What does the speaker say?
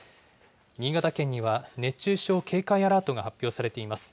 新潟県には熱中症警戒アラートが発表されています。